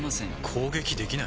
攻撃できない？